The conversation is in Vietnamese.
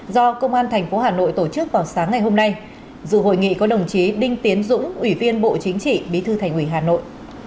dự hội nghị có đồng chí đinh tiến dũng ủy viên bộ chính trị bí thư thành ủy hà nội